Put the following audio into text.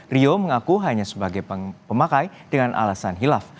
rio mengaku hanya sebagai pemakai dengan alasan hilaf